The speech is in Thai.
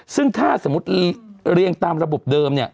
ซึ่งถ้าสมมติเรียงตามระบบเดิม